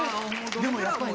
でもやっぱりね。